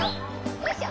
よいしょ！